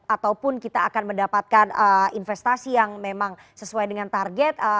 ataupun kita akan mendapatkan investasi yang memang sesuai dengan target